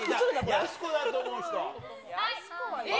やす子だと思う人？